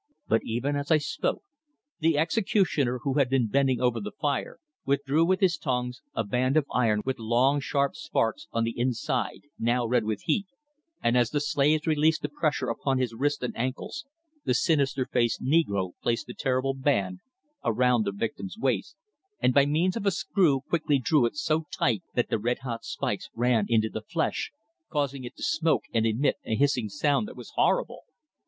But even as I spoke, the executioner, who had been bending over the fire, withdrew with his tongs a band of iron with long sharp spikes on the inside now red with heat, and as the slaves released the pressure upon his wrists and ankles the sinister faced negro placed the terrible band around the victim's waist and by means of a screw quickly drew it so tight that the red hot spikes ran into the flesh, causing it to smoke and emit a hissing noise that was horrible.